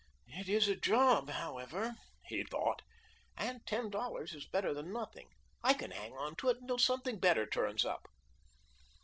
"It is a job, however," he thought, "and ten dollars is better than nothing. I can hang onto it until something better turns up."